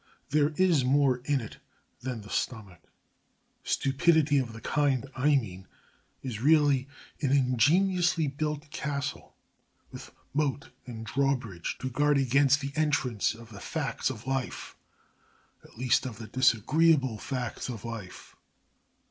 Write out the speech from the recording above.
There is more in it than the stomach. Stupidity of the kind I mean is really an ingeniously built castle with moat and drawbridge to guard against the entrance of the facts of life at least, of the disagreeable facts of life.